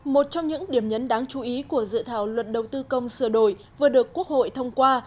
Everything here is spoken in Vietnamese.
một trong những điểm nhấn đáng chú ý của dự thảo luật đầu tư công sửa đổi vừa được quốc hội thông qua